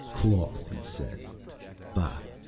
Cloth, he says! Bah!